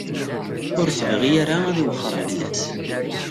Ur tebɣi ara ad iwexxer fell-as.